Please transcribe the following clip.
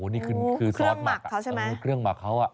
นี่คือเครื่องหมักเค้าใช่ไหม